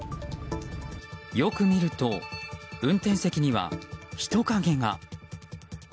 よく見ると、運転席には人影が。